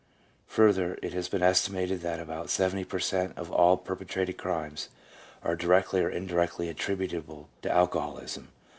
1 Further, it has been estimated that about 70 per cent, of all perpetrated crimes are directly or indirectly attribut able to alcoholism.